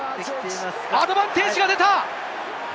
アドバンテージが出た！